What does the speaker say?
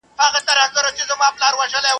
مېلمانه د دوکاندار پر دسترخوان وه.